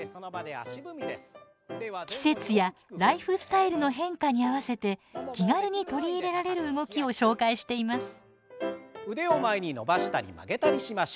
季節やライフスタイルの変化に合わせて気軽に取り入れられる動きを紹介しています。